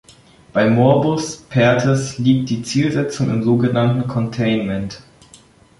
Bei Morbus Perthes liegt die Zielsetzung im sogenannten „Containment“.